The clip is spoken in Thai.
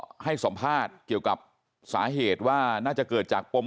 ก็ให้สัมภาษณ์เกี่ยวกับสาเหตุว่าน่าจะเกิดจากปม